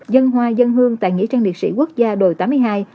dân hoa dân hương tại nghĩa trang liệt sĩ quốc gia đồi tám mươi hai